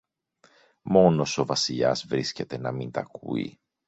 Μόνος ο Βασιλιάς βρίσκεται να μην τ' ακούει